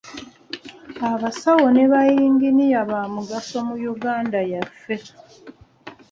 Abasawo ne bayinginiya baamugaso mu Uganda yaffe.